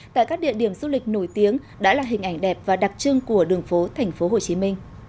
tại các địa điểm du lịch nổi tiếng đã là hình ảnh đẹp và đặc trưng của đường phố tp hcm